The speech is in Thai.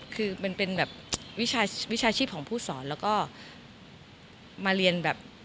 คือมันเป็นแบบวิชาชีพของผู้สอนแล้วก็มาเรียนแบบ